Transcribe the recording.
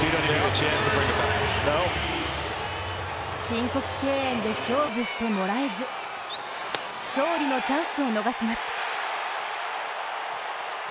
申告敬遠で勝負してもらえず勝利のチャンスを逃します。